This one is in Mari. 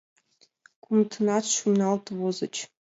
Кумытынат шуйналт возыч.